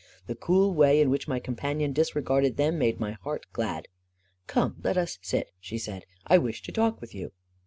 The cool way in which my companion disregarded them made my heart glad. " Come, let us sit/' she said. " I wish to talk with you."